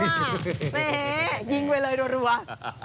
แม่ยิงไว้เลยรวม